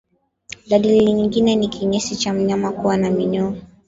Dalili nyingine ni kinyesi cha mnyama kuwa na minyoo